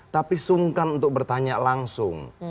tapi sungkan untuk bertanya langsung